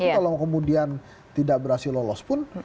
tapi kalau kemudian tidak berhasil lolos pun